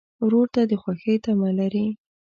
ورور ته د خوښۍ تمه لرې.